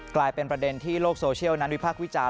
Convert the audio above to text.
กลายเป็นประเด็นที่โลกโซเชียลนั้นวิพากษ์วิจารณ